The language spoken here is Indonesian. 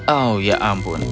oh ya ampun